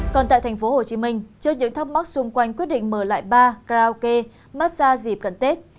còn tại tp hcm trước những thắc mắc xung quanh quyết định mở lại ba karaoke massage dịp cận tết